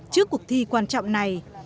trước cuộc thi quan trọng này